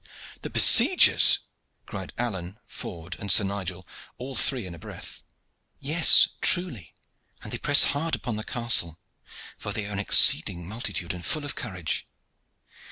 "The besiegers!" cried Alleyne, Ford, and Sir Nigel, all three in a breath. "Yes, truly, and they press hard upon the castle, for they are an exceeding multitude and full of courage.